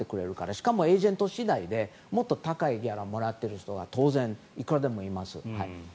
しかもエージェント次第でもっと高いギャラをもらっている人は当然、いくらでもいます。